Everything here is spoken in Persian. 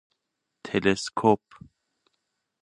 تلسکوپ